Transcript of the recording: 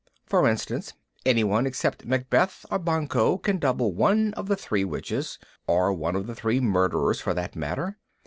For instance, anyone except Macbeth or Banquo can double one of the Three Witches or one of the Three Murderers for that matter.